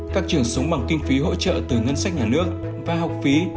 các trường sống bằng kinh phí hỗ trợ từ ngân sách nhà nước và học phí